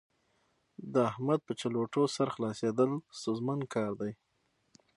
د احمد په چلوټو سر خلاصېدل ستونزمن کار دی.